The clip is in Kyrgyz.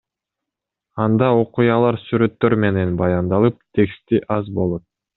Анда окуялар сүрөттөр менен баяндалып, тексти аз болот.